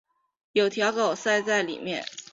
有条狗塞在里面